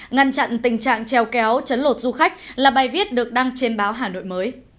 ngăn chặn tình trạng treo kéo chấn lột du khách là bài viết được đăng trên báo hà nội mới